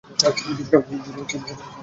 জীবের সংখ্যা অসীম।